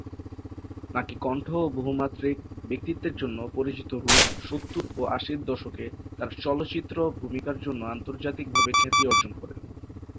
নাকি কণ্ঠ ও বহুমাত্রিক ব্যক্তিত্বের জন্য পরিচিত রুথ সত্তর ও আশির দশকে তার চলচ্চিত্র ভূমিকার জন্য আন্তর্জাতিকভাবে খ্যাতি অর্জন করেন।